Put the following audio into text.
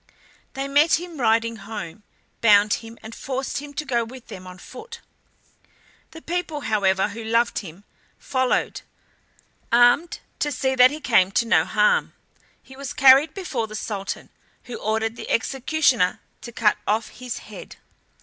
They met him riding home, bound him, and forced him to go with them on foot. The people, however, who loved him, followed, armed, to see that he came to no harm. He was carried before the Sultan, who ordered the executioner to cut off his head.